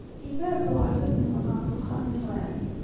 Yebɛed uɣerbaz-nwen ɣef uxxam-nwen?